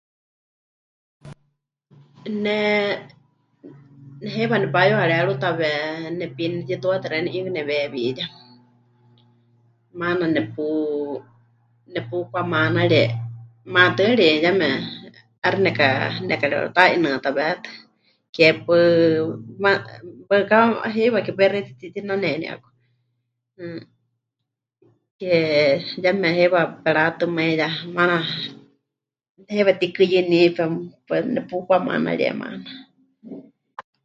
Ne heiwa nepayuharerutawe nepiini netituatɨ xeeníu 'iikɨ neweewíya, maana nepu... nepukwamanarie maatɨari yeme 'aixɨ neka.. nekareuta'inɨatawétɨ, ke paɨ, ma..., waɨkawa heiwa ke pai xewítɨ́ mɨtitinaneni 'aku, mmm, ke... yeme heiwa pemɨratɨmaiya, maana heiwa mɨtikɨyɨní, pem..., pemɨ... nepukwamanarie maana.